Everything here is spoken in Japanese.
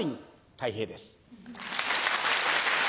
たい平です。